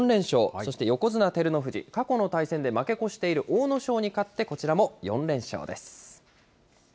そして横綱・照ノ富士、過去の対戦で負け越している阿武咲に勝って、こちらも４連勝です。